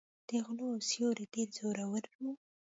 د غلو سیوری ډېر زورور و.